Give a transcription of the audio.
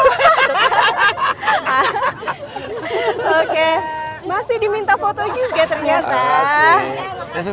oke masih diminta foto juga ternyata